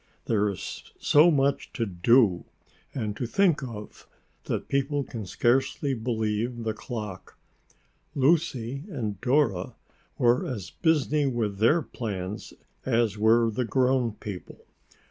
There is so much to do, and to think of, that people can scarcely believe the clock. Lucy and Dora were as busy with their plans as were the grown people.